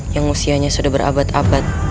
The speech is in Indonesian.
yang usianya sudah berabad abad